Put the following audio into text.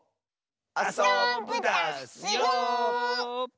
あそぶダスよ！